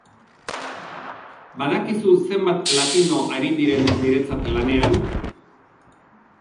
Badakizu zenbat latino ari diren niretzat lanean?